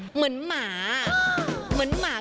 เหมือนหมา